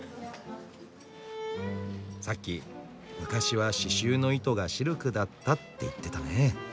さっき「昔は刺しゅうの糸がシルクだった」って言ってたね。